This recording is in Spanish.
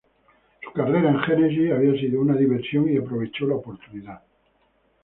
Su carrera en Genesis había sido una diversión y aprovechó la oportunidad.